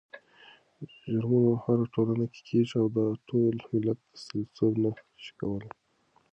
جرمونه هره ټولنه کې کېږي او دا د ټول ملت استازيتوب نه شي کولی.